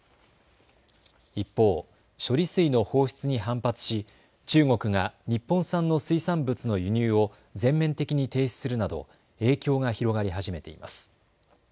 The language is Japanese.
一方、処理水の放出に反発し中国が日本産の水産物の輸入を全面的に停止するなど影響が広がり始めています。